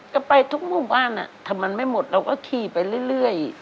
ถ้ามันไม่หมดเราก็ขี่ไปเรื่อย